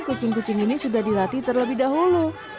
kucing kucing ini sudah dilatih terlebih dahulu